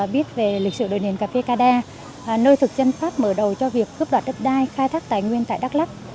biết về lịch sử đồn hiển cà phê cà đa nơi thực dân pháp mở đầu cho việc cướp đoạt đất đai khai thác tài nguyên tại đắk lắc